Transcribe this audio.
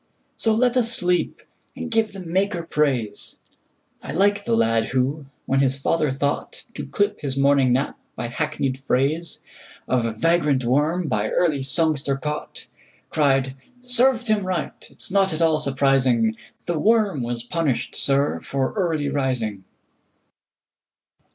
So let us sleep, and give the Maker praise.I like the lad who, when his father thoughtTo clip his morning nap by hackneyed phraseOf vagrant worm by early songster caught, Cried, "Served him right!—it 's not at all surprising; The worm was punished, sir, for early rising!"